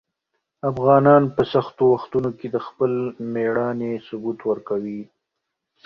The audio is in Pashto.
افغانان په سختو وختونو کې د خپل مېړانې ثبوت ورکوي.